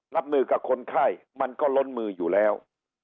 รับมือกับคนไข้มันก็ล้นมืออยู่แล้ว